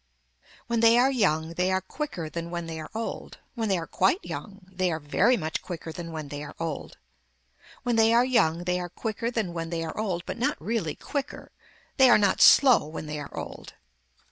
When they are young they are quicker than when they are old. When they are quite young they are very much quicker than when they are old. When they are young they are quicker than when they are old but not really quicker, they are not slow when they are old.